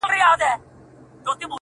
ژوند چي د عقل په ښکلا باندې راوښويدی؛